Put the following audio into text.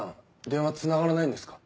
電話つながらないんですか？